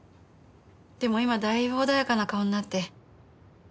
でも今はだいぶ穏やかな顔になって。